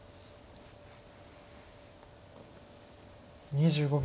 ２５秒。